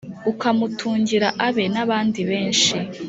Ukamutungira abe n’abandi benshi